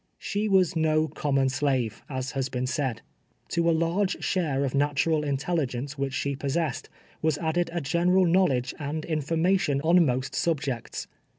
She was no common slave, as has been said. To a large share of natural intelligence which she possess ed, was added a general knowledge and information on most subjects.